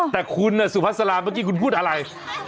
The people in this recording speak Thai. แต่คุณสุภาษาลาเมื่อกี้คุณพูดอะไร